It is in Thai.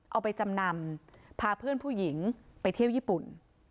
เอาไปจำนำพาเพื่อนผู้หญิงไปเที่ยวญี่ปุ่น